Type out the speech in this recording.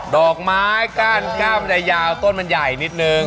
ดอกไม้ก้านก้ามจะยาวต้นมันใหญ่นิดนึง